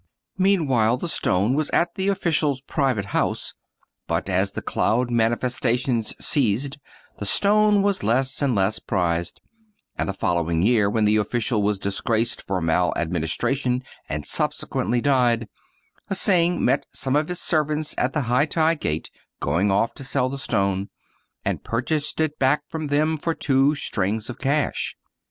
Mean while the stone was at the official's private house ; but as the cloud manifestations ceased, the stone was less and less prized ; and the following year when the official was dis graced for maladministration and subsequently died, Hsing met some of his servants at the Hai tai Gate going oflf to sell the stone, and purchased it back from them for two strings of cash.